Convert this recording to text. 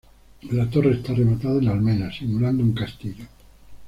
La torre está rematada en almenas, simulando un castillo.